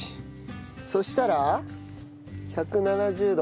そしたら１７０度。